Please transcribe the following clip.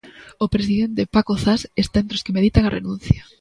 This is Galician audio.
O presidente Paco Zas está entre os que meditan a renuncia.